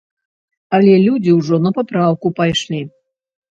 Але людзі ўжо на папраўку пайшлі.